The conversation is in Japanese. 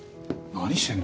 ・何してんの？